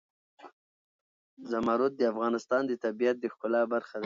زمرد د افغانستان د طبیعت د ښکلا برخه ده.